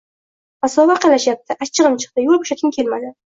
Masofa yaqinlashyapti. Achchigʻim chiqdi, yoʻl boʻshatgim kelmadi.